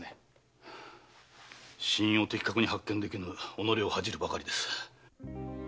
死因を的確に発見できぬおのれを恥じるばかりです。